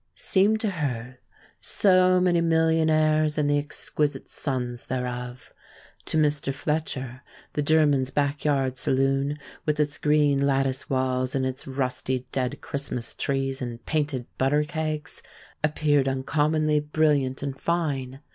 seemed to her so many millionaires and the exquisite sons thereof. To Mr. Fletcher the German's back yard saloon, with its green lattice walls, and its rusty dead Christmas trees in painted butter kegs, appeared uncommonly brilliant and fine.